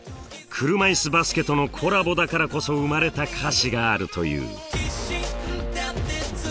車いすバスケとのコラボだからこそ生まれた歌詞があるという。